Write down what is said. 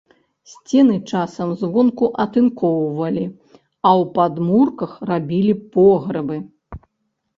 Сцены часам звонку атынкоўвалі, а ў падмурках рабілі пограбы.